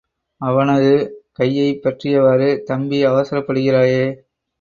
அவனது கையைப் பற்றியவாறு, தம்பி, அவசரப்படுகிறாயே?